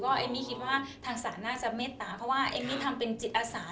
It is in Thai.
เอมมี่คิดว่าทางศาลน่าจะเมตตาเพราะว่าเอมมี่ทำเป็นจิตอาสา